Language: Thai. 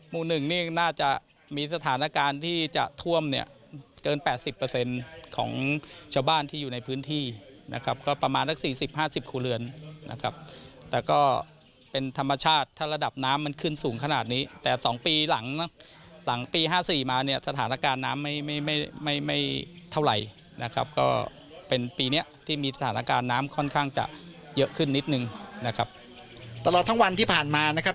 มูลหนึ่งนี่น่าจะมีสถานการณ์ที่จะท่วมเนี่ยเกิน๘๐ของชาวบ้านที่อยู่ในพื้นที่นะครับก็ประมาณ๔๐๕๐ครูเรือนนะครับแต่ก็เป็นธรรมชาติถ้าระดับน้ำมันขึ้นสูงขนาดนี้แต่๒ปีหลังนะหลังปี๕๔มาเนี่ยสถานการณ์น้ำไม่เท่าไหร่นะครับก็เป็นปีนี้ที่มีสถานการณ์น้ำค่อนข้างจะเยอะขึ้นนิดนึงนะครับ